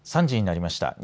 ３時になりました。